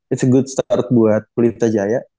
it s a good start buat pelita jaya